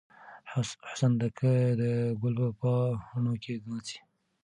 حسن د ګل په پاڼو کې ناڅي.